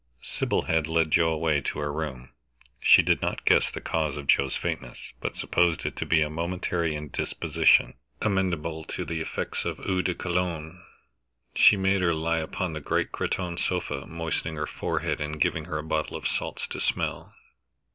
Sybil had led Joe away to her room. She did not guess the cause of Joe's faintness, but supposed it to be a momentary indisposition, amenable to the effects of eau de cologne. She made her lie upon the great cretonne sofa, moistening her forehead, and giving her a bottle of salts to smell.